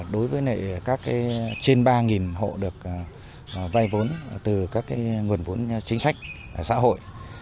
đối với trên ba hộ được vay vốn từ các nguồn vốn chính sách xã hội